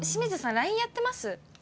ＬＩＮＥやってます？え？